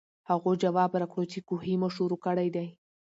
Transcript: هغو جواب راکړو چې کوهے مو شورو کړے دے ـ